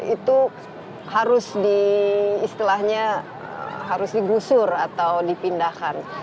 itu harus di istilahnya harus digusur atau dipindahkan